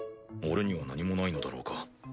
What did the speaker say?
俺には何もないのだろうか？